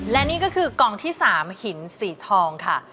และนี่ก็คือกองที่๓หินสีทองค่ะ